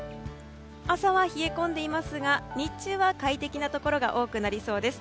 朝は冷え込んでいますが日中は快適なところが多くなりそうです。